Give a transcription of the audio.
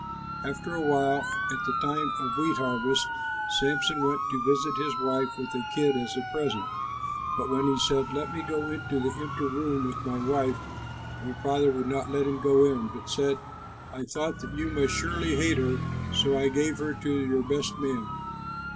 After a while, at the time of wheat harvest, Samson went to visit his wife with a kid as a present; but when he said, "Let me go into the inner room to my wife," her father would not let him go in, but said, "I thought that you must surely hate her, so I gave her to your best man.